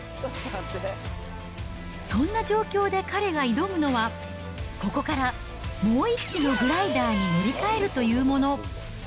そんな状況で彼が挑むのは、ここから、もう１機のグライダーに乗り換えるというもの。